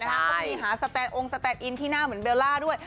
ต้องมีหาองค์สแตนต์อินที่หน้าเหมือนเบลล่าด้วย